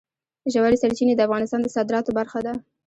ژورې سرچینې د افغانستان د صادراتو برخه ده.